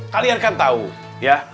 kalian kan tau ya